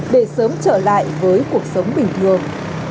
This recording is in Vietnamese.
để sớm trở lại với cuộc sống bình thường